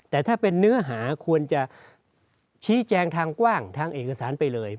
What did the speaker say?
แต่ถ้าเป็นเนื้อหาควรจะชี้แจงทางกว้างทางเอกสารไปเลย